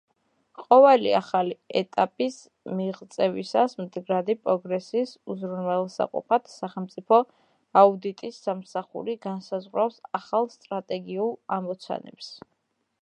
ყოველი ახალი ეტაპის მიღწევისას, მდგრადი პროგრესის უზრუნველსაყოფად, სახელმწიფო აუდიტის სამსახური განსაზღვრავს ახალ სტრატეგიულ ამოცანებს.